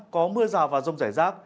có mưa rào và rông giải rác